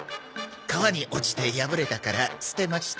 川に落ちて破れたから捨てました。